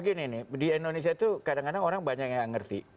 di indonesia itu kadang kadang orang banyak yang ngerti